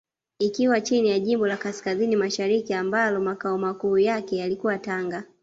Ikiwa chini ya jimbo la Kaskazini Mashariki ambalo Makao Makuu yake yalikuwa Tanga